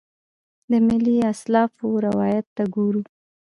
د ملي اسلافو روایت ته ګورو.